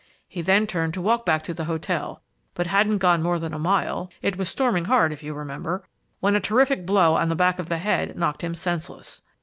He then turned to walk back to the hotel, but hadn't gone more than a mile (it was storming hard, if you remember) when a terrific blow on the back of the head knocked him senseless.